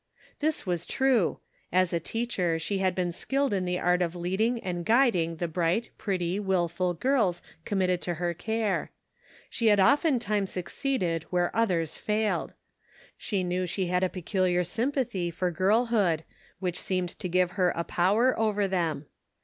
This was true. As a teacher she had been skilled in the art of leading and guiding the bright, pretty, willful girls committed to her care. She had often times succeeded where others failed. She knew she had a peculiar sympathy for girl hood, which seemed to give her a power over them.